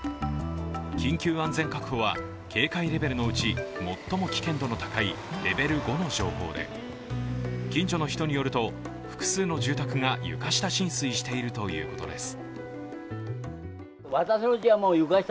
緊急安全確保は警戒レベルのうち最も危険度の高いレベル５の情報で、近所の人によると複数の住宅が床下浸水しているということです。